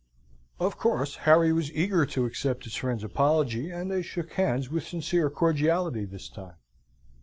Of course, Harry was eager to accept his friend's apology, and they shook hands with sincere cordiality this time.